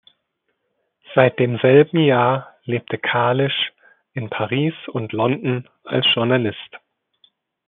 Seit demselben Jahr lebte Kalisch in Paris und London als Journalist.